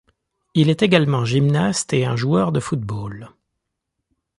Il est également gymnaste et un joueur de football.